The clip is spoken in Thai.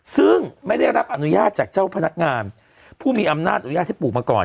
ซึ่งไม่ได้รับอนุญาตจากเจ้าพนักงานผู้มีอำนาจอนุญาตให้ปลูกมาก่อน